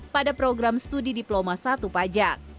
pada program studi diploma satu pajak